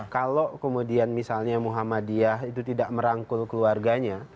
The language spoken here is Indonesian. kalau kemudian misalnya muhammadiyah itu tidak merangkul keluarganya